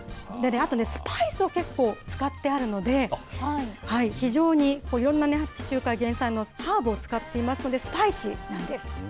あと、スパイスを結構使ってあるので、非常にいろんな地中海原産のハーブを使っていますので、スパイシーなんです。